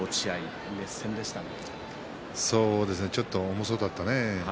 ちょっと重そうだったね。